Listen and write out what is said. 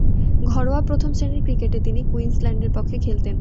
ঘরোয়া প্রথম-শ্রেণীর ক্রিকেটে তিনি কুইন্সল্যান্ডের পক্ষে খেলতেন।